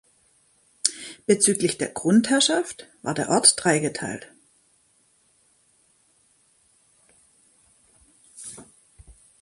Bezüglich der Grundherrschaft war der Ort dreigeteilt.